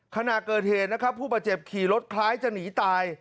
ขณะเกิดเหตุนะครับผู้บาดเจ็บขี่รถคล้ายจะหนีตาย